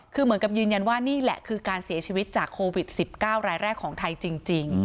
คือเหมือนกับยืนยันว่านี่แหละคือการเสียชีวิตจากโควิด๑๙รายแรกของไทยจริง